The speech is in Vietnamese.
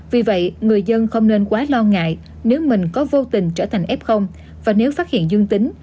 vì vậy người dân không nên quá lo ngại nếu mình có vô tình trở thành f và nếu phát hiện dương tính